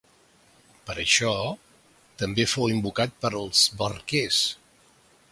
Per això, també fou invocat pels barquers.